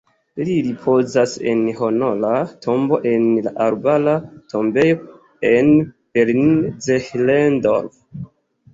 Li ripozas en honora tombo en la Arbara Tombejo en Berlin-Zehlendorf.